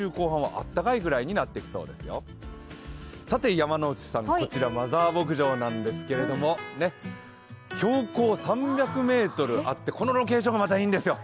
山内さん、こちらマザー牧場なんですけれども、標高３００ｍあって、このロケーションがまたいいんですよ。